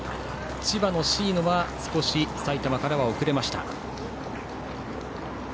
千葉の椎野は少し埼玉から遅れました。